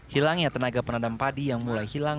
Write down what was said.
hilangnya tenaga penandam padi yang mulai hilang